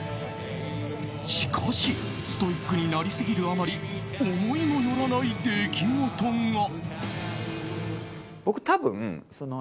しかし、ストイックになりすぎるあまり思いもよらない出来事が。